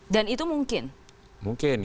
dan itu mungkin